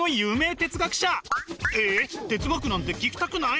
哲学なんて聞きたくない？